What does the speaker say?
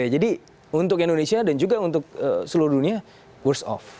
jadi untuk indonesia dan juga untuk seluruh dunia worst off